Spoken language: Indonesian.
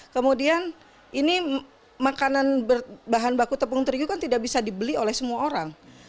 kemudian ini makanan bahan baku tepung teriu kan tidak bisa dibeli oleh semua orang